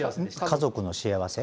家族の幸せ。